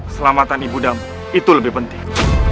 selamatan ibu damu itu lebih penting